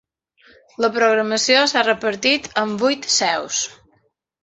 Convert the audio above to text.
La programació s’ha repartit en vuit seus.